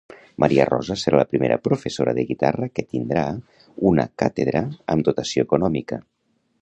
Maria Rosa serà la primera professora de guitarra que tindrà una càtedra amb dotació econòmica.